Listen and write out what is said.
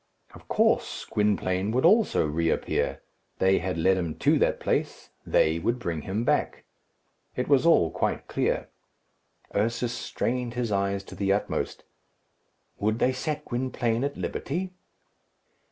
Of course, Gwynplaine would also reappear. They had led him to that place; they would bring him back. It was all quite clear. Ursus strained his eyes to the utmost. Would they set Gwynplaine at liberty?